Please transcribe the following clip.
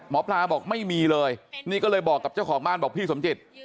หมอปลาบอกไม่มีเลยนี่ก็เลยบอกกับเจ้าของบ้านบอกพี่สมจิต